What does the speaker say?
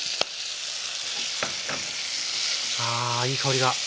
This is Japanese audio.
あいい香りが。